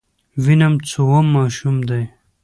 ويم څووم ماشوم دی.